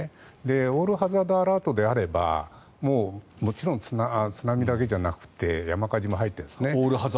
オールハザード・アラートであればもちろん津波だけじゃなくて山火事も入っているんです。